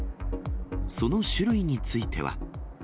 その種類については。